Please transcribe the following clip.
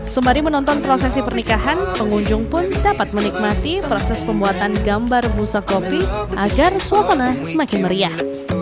sembari menonton prosesi pernikahan pengunjung pun dapat menikmati proses pembuatan gambar busa kopi agar suasana semakin meriah